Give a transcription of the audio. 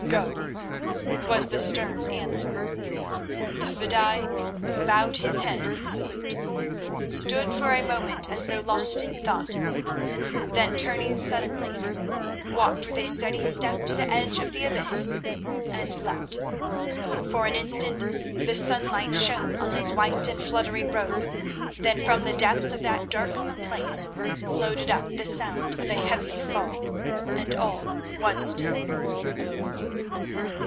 Go!" was the stern answer. The fedaï bowed his head in salute, stood for a moment as though lost in thought, then, turning suddenly, walked with a steady step to the edge of the abyss and leapt. For an instant the sunlight shone on his white and fluttering robe, then from the depths of that darksome place floated up the sound of a heavy fall, and all was still.